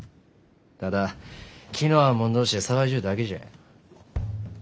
ただ気の合う者同士で騒いじゅうだけじゃ。